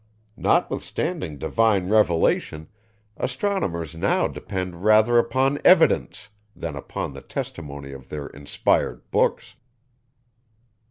Notwithstanding divine revelation, astronomers now depend rather upon evidence, than upon the testimony of their inspired books.